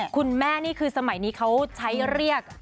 คุณแม่นี่คือสมัยนี้เขาใช้เรียก